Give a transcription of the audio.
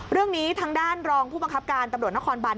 เรื่องนี้ทางด้านรองผู้บังคับการตำรวจนครบัน